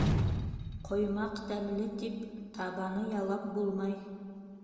Ҡоймаҡ тәмле тип, табаны ялап булмай.